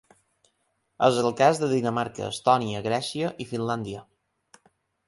És el cas de Dinamarca, Estònia, Grècia i Finlàndia.